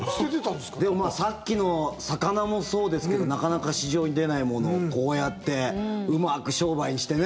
でもさっきの魚もそうですけどなかなか市場に出ないものをこうやってうまく商売にしてね。